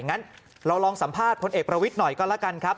งั้นเราลองสัมภาษณ์พลเอกประวิทย์หน่อยก็แล้วกันครับ